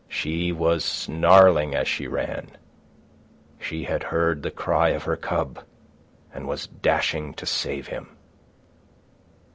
She was snarling as she ran. She had heard the cry of her cub and was dashing to save him.